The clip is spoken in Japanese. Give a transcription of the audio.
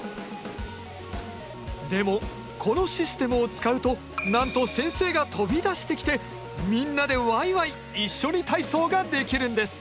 でもこのシステムを使うとなんと先生が飛び出してきてみんなでわいわい一緒に体操ができるんです！